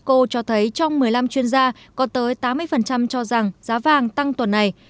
cô cho thấy trong một mươi năm chuyên gia có tới tám mươi cho rằng giá vàng tăng tuần này